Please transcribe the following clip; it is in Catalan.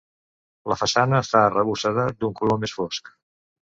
La façana està arrebossada d'un color més fosc.